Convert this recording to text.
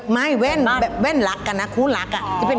ไม่แว่นลักนะครูลัก